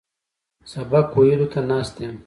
سبق ویلو ته ناست یم.